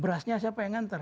berasnya siapa yang nganter